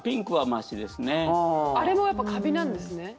あれもカビなんですね。